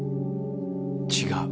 違う。